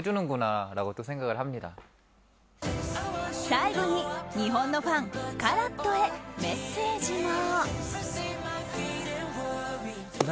最後に、日本のファンＣＡＲＡＴへメッセージも。